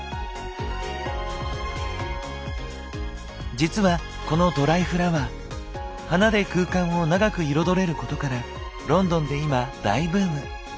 実はこのドライフラワー花で空間を長く彩れることからロンドンで今大ブーム！